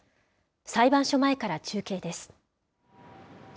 裁判所前から中継です。